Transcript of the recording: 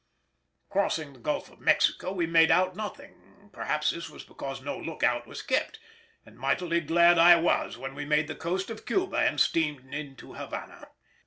Crossing the Gulf of Mexico we made out nothing; perhaps this was because no look out was kept; and mightily glad I was when we made the coast of Cuba and steamed into Havana.